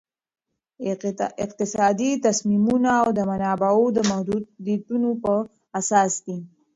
اقتصادي تصمیمونه د منابعو د محدودیتونو پر اساس دي.